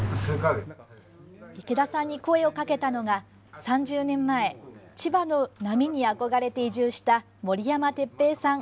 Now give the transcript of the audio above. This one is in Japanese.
池田さんに声をかけたのが３０年前、千葉の波に憧れて移住した森山鉄兵さん。